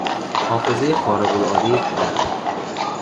حافظهی خارقالعاده پدرم